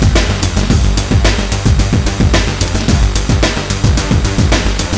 พี่กลัว